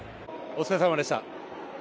お疲れさまでした。